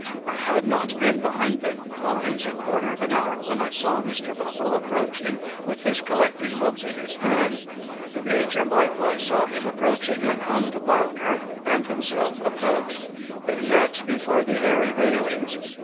I had not been behind the blinds a quarter of an hour when I saw Mr. Buffle approaching with his Collecting books in his hand. The Major likewise saw him approaching and hummed louder and himself approached. They met before the Airy railings.